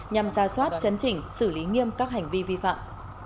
nhằm ra soát chấn chỉnh xử lý nghiêm các hành vi vi phạm